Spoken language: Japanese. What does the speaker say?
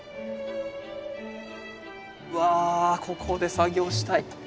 うわここで作業したい。